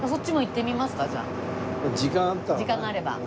時間があれば。